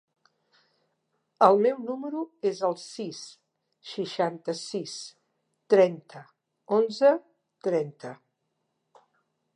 El meu número es el sis, seixanta-sis, trenta, onze, trenta.